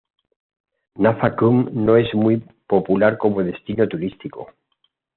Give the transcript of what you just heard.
Nafa-Khum no es muy popular como destino turístico.